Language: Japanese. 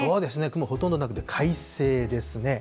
雲ほとんどなくて快晴ですね。